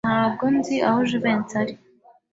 Ntabwo nzi aho Jivency ari.